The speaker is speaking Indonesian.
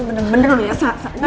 bener bener lu ya saksa